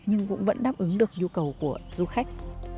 nhưng cũng vẫn đáp ứng được nhu cầu của du khách